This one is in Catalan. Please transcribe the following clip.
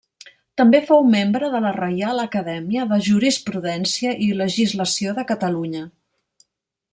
També fou membre de la Reial Acadèmia de Jurisprudència i Legislació de Catalunya.